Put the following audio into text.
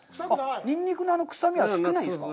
ニンニクのあの臭みは少ないんですか。